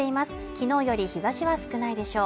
昨日より日差しは少ないでしょう。